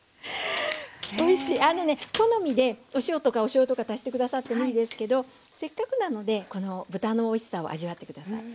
あのね好みでお塩とかおしょうゆとか足して下さってもいいですけどせっかくなのでこの豚のおいしさを味わって下さい。